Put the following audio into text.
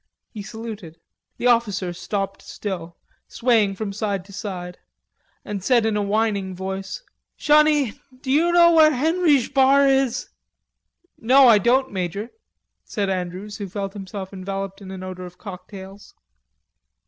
He saluted. The officer stopped still, swaying from side to side, and said in a whining voice: "Shonny, d'you know where Henry'sh Bar is?" "No, I don't, Major," said Andrews, who felt himself enveloped in an odor of cocktails.